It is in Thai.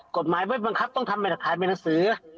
กฎหมายไว้บังคับต้องทำมันผลัพย์ศาสตร์